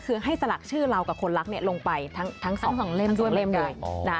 คือให้สลักชื่อเรากับคนรักลงไปทั้ง๒เล่ม๒เล่มเลย